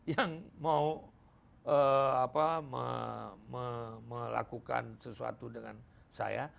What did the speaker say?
yang mau melakukan sesuatu dengan saya